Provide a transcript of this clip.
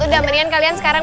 udah mendingan kalian sekarang